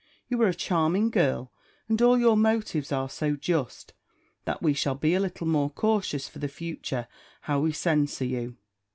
You are a charming girl, and all your motives are so just, that we shall be a little more cautious for the future how we censure you.